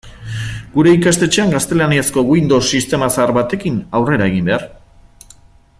Gure ikastetxean gaztelaniazko Windows sistema zahar batekin aurrera egin behar.